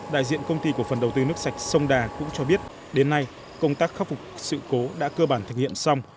đại diện công ty cổ phần đầu tư nước sạch sông đà cũng cho biết đến nay công tác khắc phục sự cố đã cơ bản thực hiện xong